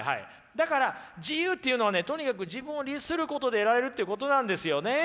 だから自由っていうのはねとにかく自分を律することで得られるということなんですよね。